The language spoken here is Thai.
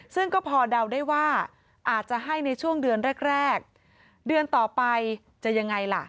ซึ่งก็พอเดาได้ว่าอาจจะให้ในช่วงเดือนแรกแรกเดือนต่อไปจะยังไงล่ะ